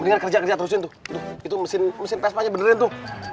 ini kerja kerja terus itu mesin mesin sp nyade wineshow